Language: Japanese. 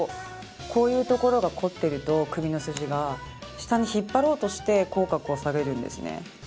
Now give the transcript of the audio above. こういう所が凝っていると首の筋が下に引っ張ろうとして口角を下げるんです。